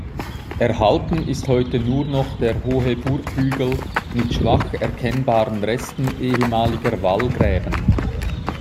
Erhalten ist heute nur noch der hohe Burghügel, mit schwach erkennbaren Resten ehemaliger Wallgräben.